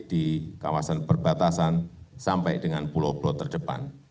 di kawasan perbatasan sampai dengan pulau pulau terdepan